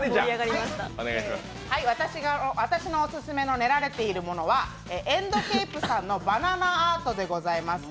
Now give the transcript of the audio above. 私のオススメの練られているものはエンドケイプさんのバナナアートです。